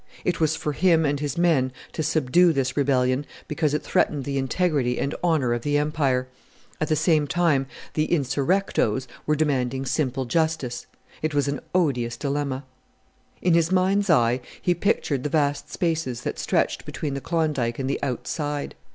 It was for him and his men to subdue this rebellion because it threatened the integrity and honour of the Empire. At the same time the "insurrectoes" were demanding simple justice. It was an odious dilemma. In his mind's eye he pictured the vast spaces that stretched between the Klondike and the "outside."